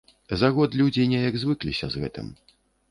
За год людзі неяк звыкліся з гэтым.